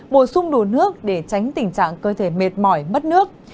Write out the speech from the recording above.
bổ sung đồ nước để tránh tình trạng cơ thể mệt mỏi mất nước